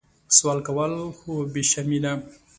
سوال کول خو بې شرمي ده